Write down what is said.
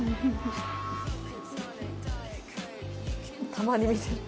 たまに見てる。